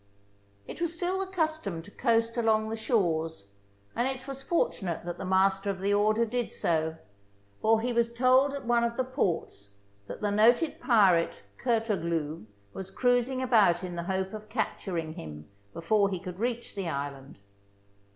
It was still the custom to coast along the shores, and it was fortunate that the Master of the Order did so, for he was told at one of the ports that the noted pirate Curtoglu was cruising about in the hope of capturing him before he could reach the island.